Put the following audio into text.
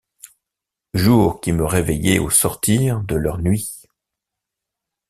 Jour qui me réveillais au sortir de leurs nuits!